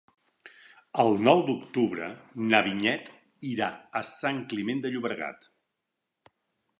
El nou d'octubre na Vinyet irà a Sant Climent de Llobregat.